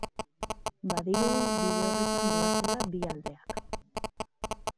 Badirudi bide horretan doazela bi aldeak.